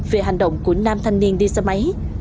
về hành động của nam thanh niên đi xe máy